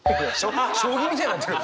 将棋みたいになってる！